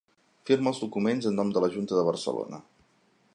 Firma els documents en nom de la Junta de Barcelona.